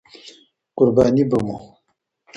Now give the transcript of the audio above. قرباني به مو